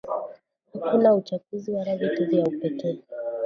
Akuna uchakuzi wala vitu vya upeke